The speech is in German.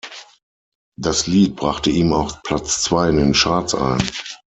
Das Lied brachte ihm auch Platz zwei in den Charts ein.